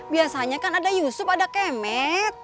biasanya kan ada yusuf ada kemet